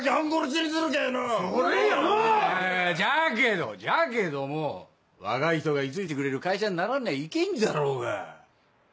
はいはいじゃけどじゃけども若い人が居着いてくれる会社にならんにゃいけんじゃろうが！